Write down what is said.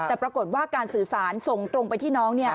แต่ปรากฏว่าการสื่อสารส่งตรงไปที่น้อง